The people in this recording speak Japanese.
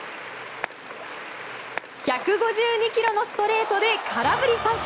１５２ｋｍのストレートで空振り三振。